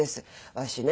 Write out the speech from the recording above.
わしね